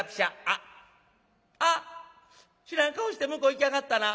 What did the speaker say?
「あっあっ知らん顔して向こう行きやがったな。